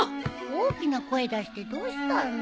大きな声出してどうしたの？